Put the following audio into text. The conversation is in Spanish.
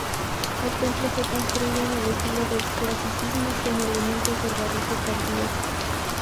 El templo fue construido en el estilo del clasicismo con elementos del barroco tardío.